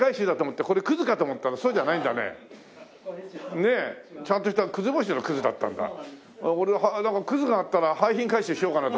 ねえ。ちゃんとしたもちのだったん俺はだからクズがあったら廃品回収しようかなと思ったら。